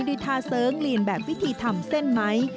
ด้วยท่าเสริงเรียนแบบวิธีทำเส้นไหม